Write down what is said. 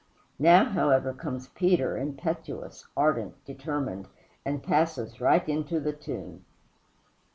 Now, however, comes Peter, impetuous, ardent, determined, and passes right into the tomb.